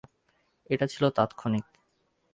এটা ছিল তাৎক্ষণিক।